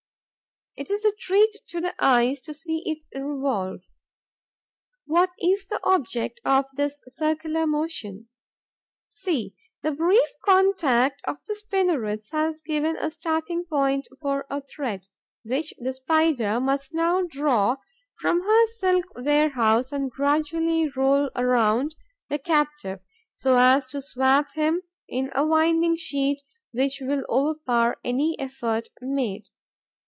It is a treat to the eyes to see it revolve. What is the object of this circular motion? See, the brief contact of the spinnerets has given a starting point for a thread, which the Spider must now draw from her silk warehouse and gradually roll around the captive, so as to swathe him in a winding sheet which will overpower any effort made.